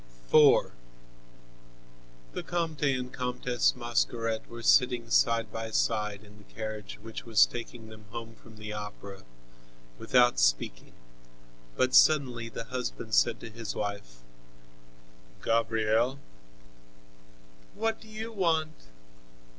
IV The Comte and Comtesse Mascaret were sitting side by side in the carriage which was taking them home from the Opera, without speaking but suddenly the husband said to his wife: "Gabrielle!" "What do you want?"